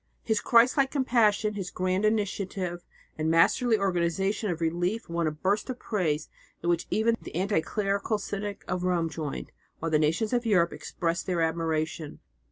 His Christlike compassion, his grand initiative and masterly organization of relief won a burst of praise in which even the anti clerical syndic of Rome joined, while the nations of Europe expressed their admiration.